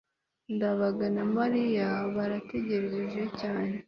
ndabaga na mariya barategereje cyane